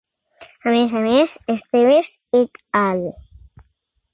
A més a més, Esteves et al.